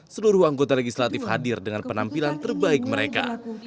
seluruh anggota legislatif hadir dengan penampilan terbaik mereka